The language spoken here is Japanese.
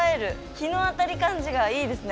日の当たる感じがいいですね。